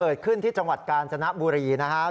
เกิดขึ้นที่จังหวัดกาญจนบุรีนะครับ